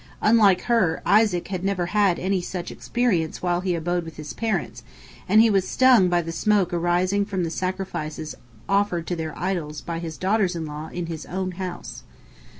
Unlike her, Isaac had never had any such experience while he abode with his parents, and he was stung by the smoke arising from the sacrifices offered to their idols by his daughters in law in his own house.